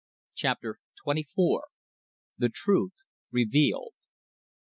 CHAPTER TWENTY FOUR. THE TRUTH REVEALED.